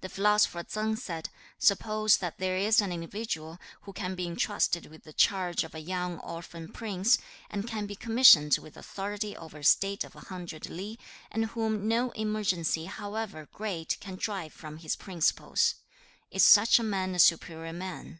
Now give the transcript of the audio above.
The philosopher Tsang said, 'Suppose that there is an individual who can be entrusted with the charge of a young orphan prince, and can be commissioned with authority over a state of a hundred li, and whom no emergency however great can drive from his principles: is such a man a superior man?